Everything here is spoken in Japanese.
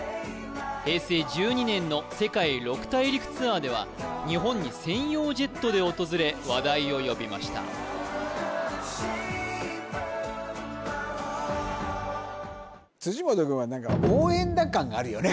平成１２年の世界６大陸ツアーでは日本に専用ジェットで訪れ話題を呼びました辻本君は何か応援団感があるよね